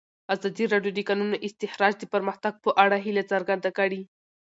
ازادي راډیو د د کانونو استخراج د پرمختګ په اړه هیله څرګنده کړې.